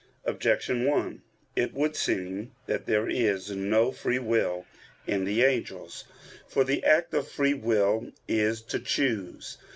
Objection 1: It would seem that there is no free will in the angels. For the act of free will is to choose.